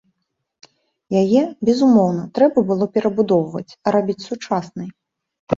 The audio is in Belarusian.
Яе, безумоўна, трэба было перабудоўваць, рабіць сучаснай.